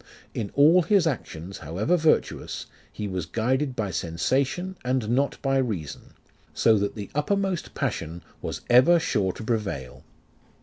In all his actions, however virtuous, he was guided by sensation and not by reason ; so that the uppermost passion was ever sure to prevail.